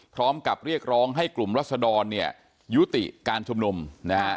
พร้อมกับเรียกร้องให้กลุ่มรัศดรเนี่ยยุติการชุมนุมนะฮะ